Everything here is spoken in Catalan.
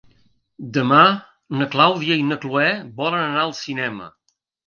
Demà na Clàudia i na Cloè volen anar al cinema.